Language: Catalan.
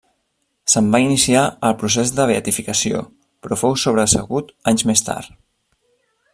Se'n va iniciar el procés de beatificació, però fou sobresegut anys més tard.